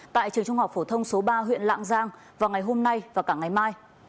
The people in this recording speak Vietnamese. tại trường trung học phổ thông số ba huyện lạng giang vào ngày hôm nay và cả ngày mai